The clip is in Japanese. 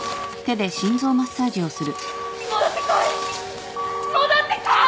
戻ってこい！